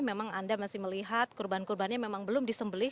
memang anda masih melihat korban korbannya memang belum disembelih